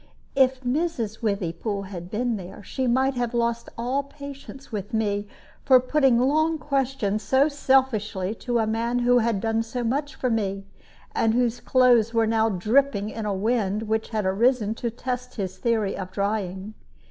If Mrs. Withypool had been there, she might have lost all patience with me for putting long questions so selfishly to a man who had done so much for me, and whose clothes were now dripping in a wind which had arisen to test his theory of drying.